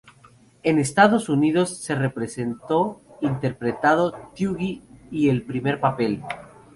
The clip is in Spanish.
En Estados Unidos se representó interpretando Twiggy el primer papel.